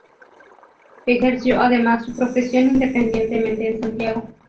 Ejerció además su profesión independientemente en Santiago.